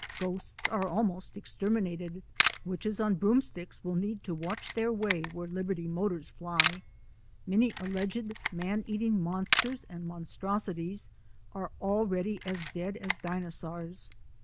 Ghosts are almost exterminated. Witches on broomsticks will need to watch their way where Liberty Motors fly. Many alleged man eating monsters and monstrosities are al 224 THE ADVENTURES OF A NATURE GUIDE ready as dead as Dinosaurs.